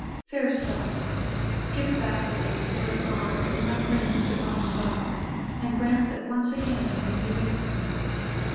Fair Sire, give back the days that are gone, when my friend was at my side, and grant that once again I may be with him.